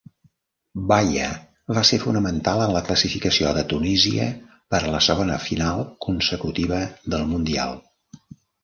Baya va ser fonamental en la classificació de Tunísia per a la segona final consecutiva del mundial.